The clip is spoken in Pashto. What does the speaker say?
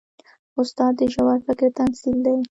استاد د ژور فکر تمثیل دی.